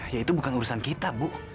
ya itu bukan urusan kita bu